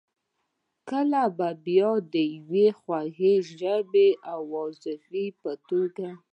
کله بیا د یوې خوږ ژبې واعظ په توګه خبرې کوي.